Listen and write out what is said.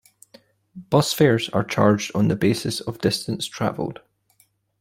Bus fares are charged on the basis of distance traveled.